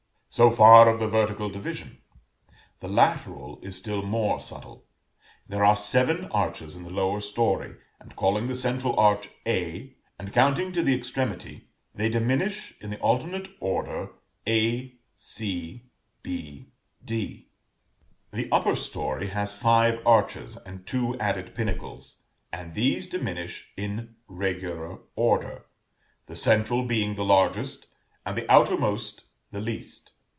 So far of the vertical division. The lateral is still more subtle. There are seven arches in the lower story; and, calling the central arch a, and counting to the extremity, they diminish in the alternate order a, c, b, d. The upper story has five arches, and two added pinnacles; and these diminish in regular order, the central being the largest, and the outermost the least.